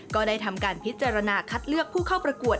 ก็ได้ทำการพิจารณาคัดเลือกผู้เข้าประกวด